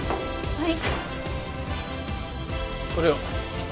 はい。